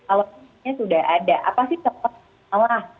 kalau anaknya sudah ada apa sih yang harus mengalah